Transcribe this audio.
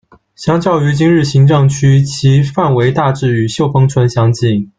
相较于今日行政区，其范围大致与秀峰村相近。